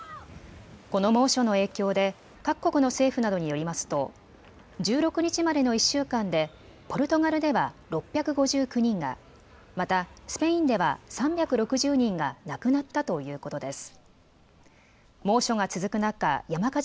この猛暑の影響で各国の政府などによりますと１６日までの１週間でポルトガルでは６５９人が、またスペインでは３６０人が亡くなったということです。